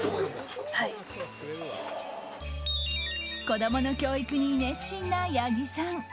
子供の教育に熱心な八木さん。